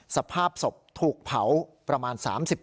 สภาพศพถูกเผาประมาณ๓๐